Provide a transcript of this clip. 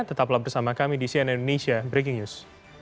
tetaplah bersama kami di cnn indonesia breaking news